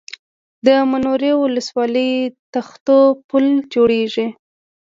د منورې ولسوالۍ تختو پل جوړېږي